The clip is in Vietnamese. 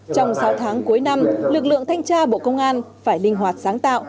trong sáu tháng cuối năm lực lượng thanh tra bộ công an phải linh hoạt sáng tạo